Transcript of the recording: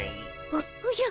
おおじゃ。